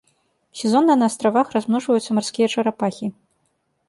Сезонна на астравах размножваюцца марскія чарапахі.